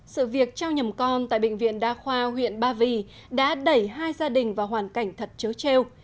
sự việc trao nhầm con tại bệnh viện đa khoa huyện ba vì đã đẩy hai gia đình vào hoàn cảnh thật chớ treo